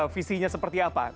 visinya seperti apa